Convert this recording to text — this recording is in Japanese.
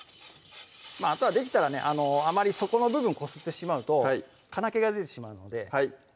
あとはできたらねあまり底の部分こすってしまうと金気が出てしまうのではい